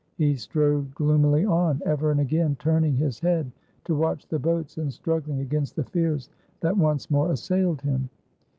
He strode gloomily on, ever and again turning his head to watch the boats, and struggling against the fears that once more assailed him.